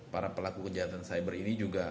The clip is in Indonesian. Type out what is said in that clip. para pelaku kejahatan cyber ini juga